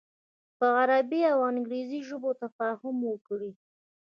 په عربي او انګریزي ژبو تفاهم وکړي.